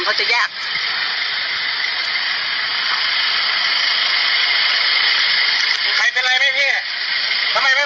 ทำไมไม่มาเมื่อกี้เลย